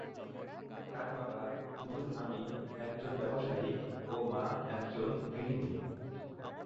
তার বাবা নুরুল আমিন একজন ব্যবসায়ী ও মা একজন গৃহিণী।